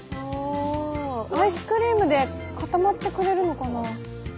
アイスクリームで固まってくれるのかな。